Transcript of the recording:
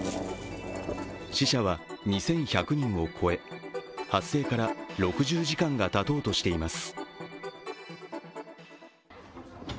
死者は２１００人を超え、発生から６０時間がたとうとしています。